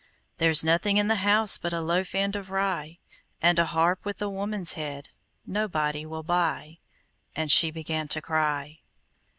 "There's nothing in the house But a loaf end of rye, And a harp with a woman's head Nobody will buy," And she began to cry.